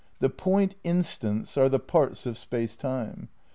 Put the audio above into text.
The point instants are the parts of Space Time.